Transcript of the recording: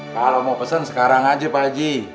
kalau mau pesen sekarang aja pak haji